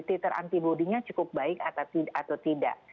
titer antibody nya cukup baik atau tidak